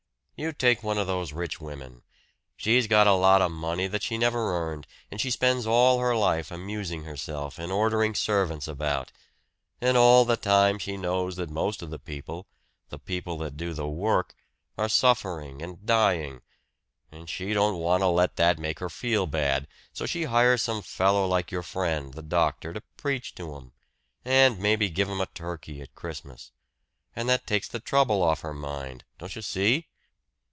"You take one of those rich women she's got a lot of money that she never earned, and she spends all her life amusing herself and ordering servants about. And all the time she knows that most of the people the people that do the work are suffering and dying. And she don't want to let that make her feel bad, so she hires some fellow like your friend, the doctor, to preach to 'em and maybe give 'em a turkey at Christmas. And that takes the trouble off her mind. Don't you see?"